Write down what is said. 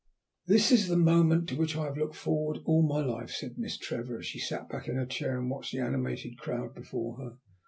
"This is the moment to which I have looked forward all my life," said Miss Trevor, as she sat back in her chair and watched the animated crowd before her.